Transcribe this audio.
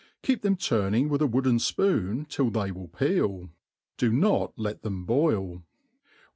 Keep them turning with a wooden fpoon till they will peel ; do not let them boil.